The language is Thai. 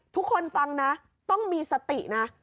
ฟังนะต้องมีสตินะ